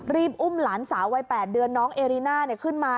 อุ้มหลานสาววัย๘เดือนน้องเอริน่าขึ้นมา